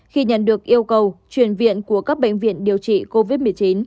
khi nhận được yêu cầu chuyển viện của các bệnh viện điều trị covid một mươi chín